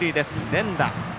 連打。